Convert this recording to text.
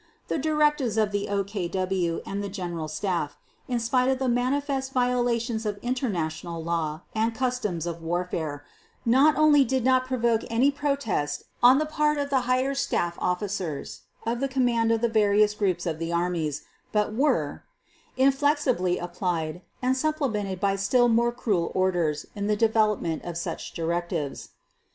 _ The directives of the OKW and the General Staff, in spite of the manifest violations of international law and customs of warfare, not only did not provoke any protest on the part of the higher staff officers of the command of the various groups of the armies but were: inflexibly applied and supplemented by still more cruel orders in the development of such directives.